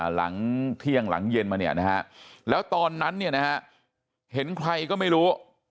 หลังเที่ยงหลังเย็นมาเนี่ยนะฮะแล้วตอนนั้นเนี่ยนะฮะเห็นใครก็ไม่รู้